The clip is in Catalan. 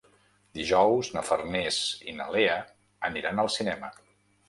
Dijous na Farners i na Lea aniran al cinema.